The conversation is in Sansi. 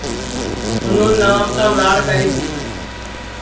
اُنون نوابشام راڑ کری تی